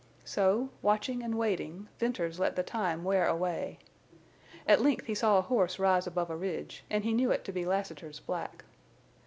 So, watching and waiting, Venters let the time wear away. At length he saw a horse rise above a ridge, and he knew it to be Lassiter's black.